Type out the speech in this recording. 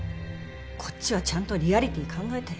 こっちはちゃんとリアリティー考えて。